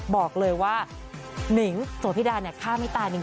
บอกเลยว่านิงโสพิดาเนี่ยฆ่าไม่ตายนิง